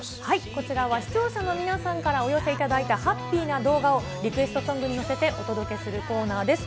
こちらは視聴者の皆さんからお寄せいただいたハッピーな動画をリクエストソングに乗せてお届けするコーナーです。